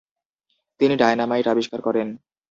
তিনি ডায়নামাইট আবিষ্কার করেন।